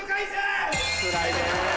つらいね。